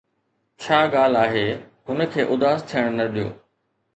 ڇا ڳالهه آهي، هن کي اداس ٿيڻ نه ڏيو